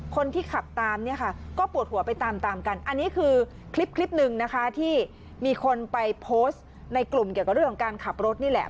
คนที่ขับตามเนี่ยค่ะก็ปวดหัวไปตามตามกันอันนี้คือคลิปคลิปหนึ่งนะคะที่มีคนไปโพสต์ในกลุ่มเกี่ยวกับเรื่องของการขับรถนี่แหละ